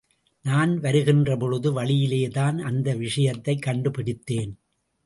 நான் வருகின்றபொழுது, வழியிலேதான் அந்த விஷயத்தைக் கண்டுபிடித்தேன்.